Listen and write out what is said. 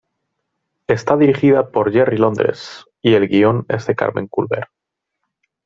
Está dirigida por Jerry Londres y el guion es de Carmen Culver.